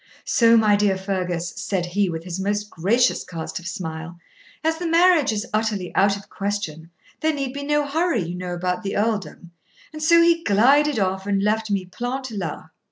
"So, my dear Fergus," said he, with his most gracious cast of smile, "as the marriage is utterly out of question, there need be no hurry, you know, about the earldom." And so he glided off and left me plante la.'